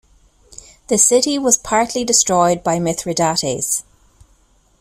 The city was partly destroyed by Mithridates.